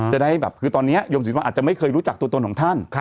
จะได้แบบคือตอนนี้โยมศิลปะอาจจะไม่เคยรู้จักตัวตนของท่าน